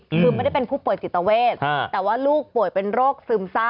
คือไม่ได้เป็นผู้ป่วยจิตเวทแต่ว่าลูกป่วยเป็นโรคซึมเศร้า